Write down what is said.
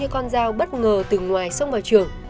con dao bất ngờ từ ngoài xông vào trường